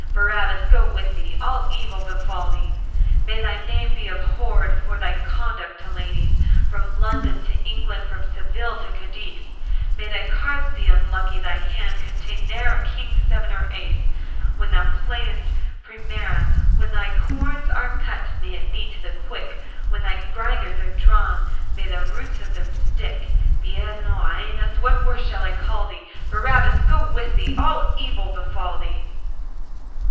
Barabbas go with thee! All evil befall thee! May thy name be abhorred For thy conduct to ladies, From London to England, From Seville to Cadiz; May thy cards be unlucky, Thy hands contain ne'er a King, seven, or ace When thou playest primera; When thy corns are cut May it be to the quick; When thy grinders are drawn May the roots of them stick. Bireno, Æneas, what worse shall I call thee? Barabbas go with thee! All evil befall thee!